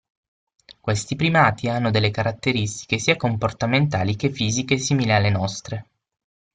Questi primati hanno delle caratteristiche sia comportamentali che fisiche simili alle nostre.